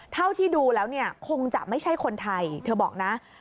เท่าที่ดูแล้วเนี่ยคงจะไม่ใช่คนไทยเธอบอกนะ